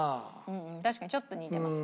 確かにちょっと似てますね。